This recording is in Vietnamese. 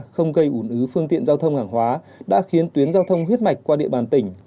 không gây ủn ứ phương tiện giao thông hàng hóa đã khiến tuyến giao thông huyết mạch qua địa bàn tỉnh